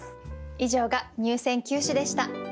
以上が入選九首でした。